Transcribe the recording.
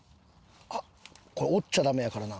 これ折っちゃダメやからな。